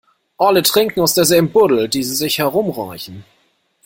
Alle trinken aus derselben Buddel, die sie sich herumreichen.